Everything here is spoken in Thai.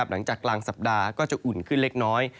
หลังจากกลางสัปดาห์ก็จะอุ่นขึ้นเล็กน้อย